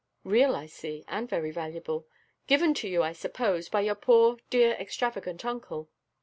Real, I see, and very valuable! given to you, I suppose, by your poor dear extravagant uncle?"